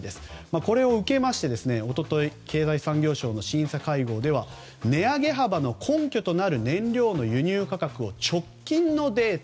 これを受けまして、一昨日経済産業省の審査会合では値上げ幅の根拠となる燃料の輸入価格を直近のデータ